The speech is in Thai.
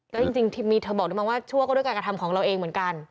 ก็จริงมีเธอบอกด้วยมั้งว่าชั่วก็ด้วยการกระทำของเราเองเหมือนกัน